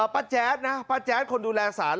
ป้าแจ๊สคนดูแลสาร